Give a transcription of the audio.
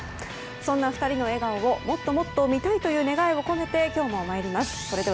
そんな２人の笑顔をもっともっと見たいという願いを込めて今日も参ります。